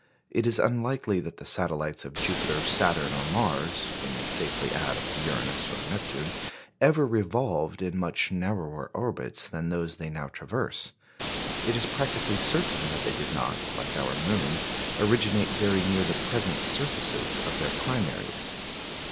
It is unlikely that the satellites of Jupiter, Saturn, or Mars (we may safely add, of Uranus or Neptune) ever revolved in much narrower orbits than those they now traverse; it is practically certain that they did not, like our moon, originate very near the present surfaces of their primaries.